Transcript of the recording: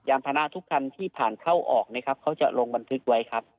ยามธนาทุกคันที่ผ่านเข้าออกเขาจะลงบันทึกไว้ครับ